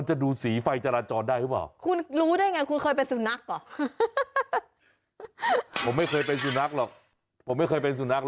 ๒ตัวด้วยเลย